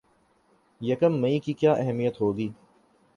یکم مئی کی کیا اہمیت ہوگی